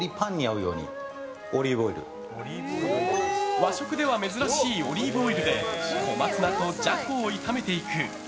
和食では珍しいオリーブオイルでコマツナとジャコを炒めていく。